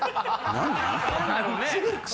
何？